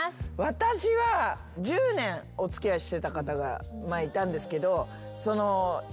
私は１０年お付き合いしてた方が前いたんですけど。